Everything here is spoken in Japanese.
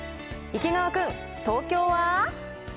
池川君、東京は？